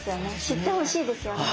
知ってほしいですよね。